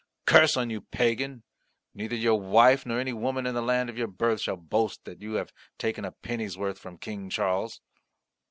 "Curse on you, pagan. Neither your wife nor any woman in the land of your birth shall boast that you have taken a penny's worth from King Charles!"